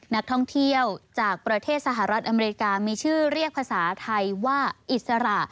นักท่องเที่ยวจากประเทศสหรัฐอเมริกามีชื่อเรียกภาษาไทยว่าอิสระ